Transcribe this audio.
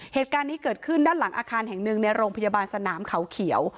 เหตุการณ์นี้เกิดขึ้นด้านหลังอาคารแห่งหนึ่งในโรงพยาบาลสนามเขาเขียว